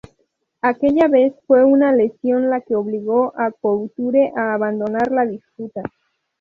Aquella vez, fue una lesión la que obligó a Couture a abandonar la disputa.